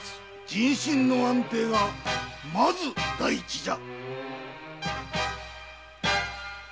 人心の安定がまず第一じゃ！